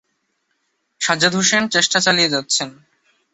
সাজ্জাদ হোসেন চেষ্টা চালিয়ে যাচ্ছেন।